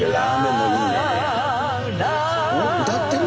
歌ってる？